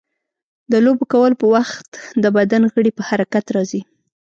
د لوبو کولو په وخت د بدن غړي په حرکت راځي.